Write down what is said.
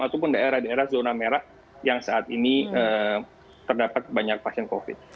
ataupun daerah daerah zona merah yang saat ini terdapat banyak pasien covid